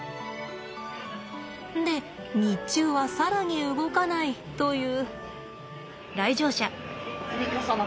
で日中は更に動かないという。